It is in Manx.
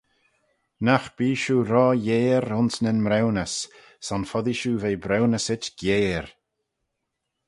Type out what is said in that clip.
Nagh bee shiu ro gheyre ayns nyn mriwnys son foddee shiu ve briwnysit geyre.